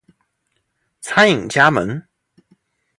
餐饮加盟